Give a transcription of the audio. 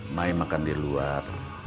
mai makan di luar